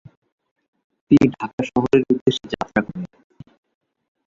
তিনি ঢাকা শহরের উদ্দেশ্যে যাত্রা করেন।